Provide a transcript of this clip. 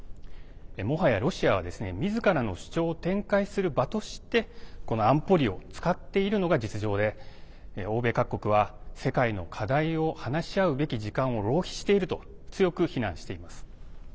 もはやロシアは、みずからの主張を展開する場としてこの安保理を使っているのが実情で、欧米各国は世界の課題を話し合うべき時間を浪費していると強く非難しています。